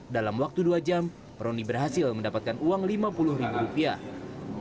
dalam waktu dua jam roni berhasil mendapatkan uang lima puluh ribu rupiah